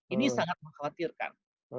ini sangat mengkhawatirkan